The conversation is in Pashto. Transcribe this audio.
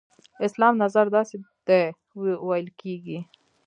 اسلام نظر داسې دی ویل کېږي.